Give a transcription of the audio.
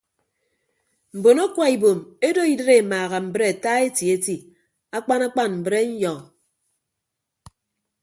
Mbon akwa ibom edo idịd emaaha mbre ata eti eti akpan akpan mbrenyọ.